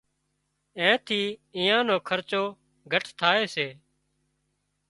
اين ٿي ايئان خرچو گهٽ ٿائي سي